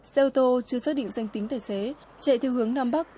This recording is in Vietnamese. xe ô tô chưa xác định danh tính tài xế chạy theo hướng nam bắc